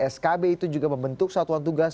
skb itu juga membentuk satuan tugas